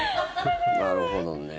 なるほどね。